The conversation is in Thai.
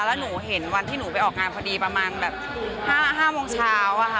แล้วหนูเห็นวันที่หนูไปออกงานพอดีประมาณแบบ๕โมงเช้าอะค่ะ